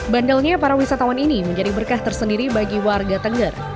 bandelnya para wisatawan ini menjadi berkah tersendiri bagi warga tengger